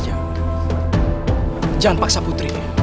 jangan paksa putri